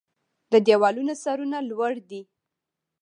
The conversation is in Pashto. د دیوالونو سرونه لوړ دی